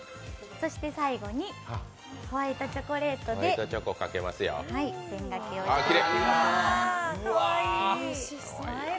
そして最後にホワイトチョコレートでペンがけをしていきます。